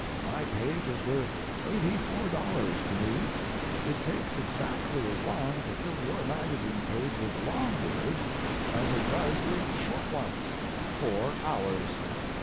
My page is worth eighty four dollars to me. It takes exactly as long to fill your magazine page with long words as it does with short ones four hours.